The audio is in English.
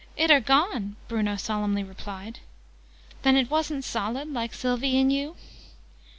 "It are gone!" Bruno solemnly replied. "Then it wasn't solid, like Sylvie and you?"